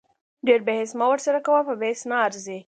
ډیر بحث مه ورسره کوه په بحث نه ارزي